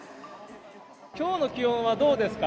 きょうの気温はどうですか。